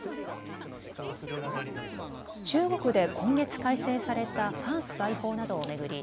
中国で今月改正された反スパイ法などを巡り